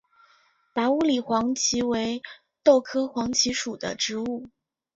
达乌里黄耆为豆科黄芪属的植物。